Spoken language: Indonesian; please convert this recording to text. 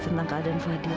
tentang keadaan fadil